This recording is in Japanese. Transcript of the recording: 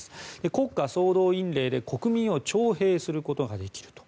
国家総動員令で国民を徴兵することができると。